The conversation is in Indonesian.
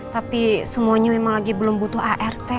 tapi semuanya memang lagi belum butuh art